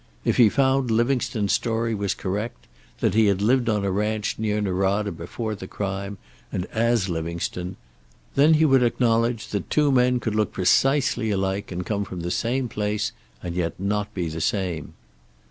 If he found Livingstone's story was correct, that he had lived on a ranch near Norada before the crime and as Livingstone, then he would acknowledge that two men could look precisely alike and come from the same place, and yet not be the same.